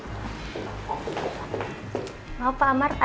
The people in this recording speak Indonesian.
ada tamu yang mau datang ke rumah saya